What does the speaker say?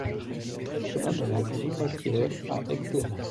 Chemin de la Grimotière à Aix-les-Bains